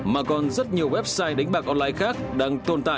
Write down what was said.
mà còn rất nhiều website đánh bạc online khác đang tồn tại